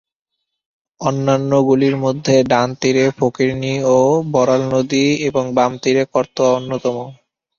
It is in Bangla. অন্যান্যগুলির মধ্যে ডান তীরে ফকিরনী ও বড়াল নদী এবং বাম তীরে করতোয়া অন্যতম।